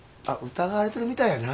疑われてるみたいやな。